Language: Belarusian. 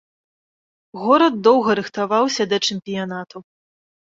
Горад доўга рыхтаваўся да чэмпіянату.